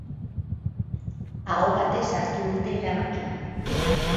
Aho batez hartu dute erabakia.